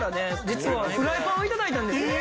実はフライパンを頂いたんです。